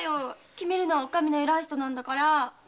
決めるのはお上の偉い人なんだから。